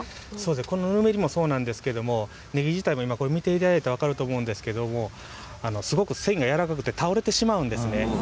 このぬめりもそうなんですけど、ねぎ自体も見ていただいて分かるとおりすごく線がやわらかくて倒れてしまうんですね。